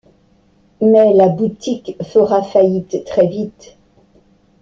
Mais la boutique fera faillite très vite.